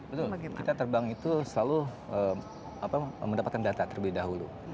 betul kita terbang itu selalu mendapatkan data terlebih dahulu